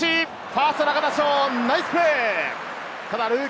ファースト・中田翔、ナイスプレー！